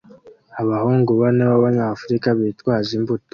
Abahungu bane b'Abanyafrika bitwaje imbuto